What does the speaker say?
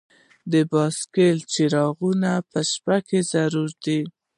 د بایسکل څراغونه په شپه کې ضروری دي.